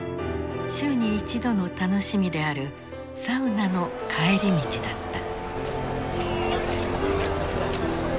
週に一度の楽しみであるサウナの帰り道だった。